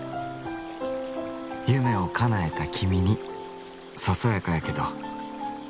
夢を叶えた君にささやかやけど。